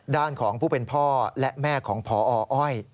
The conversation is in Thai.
ด้านของผู้เป็นพ่อและแม่ของพออ้อย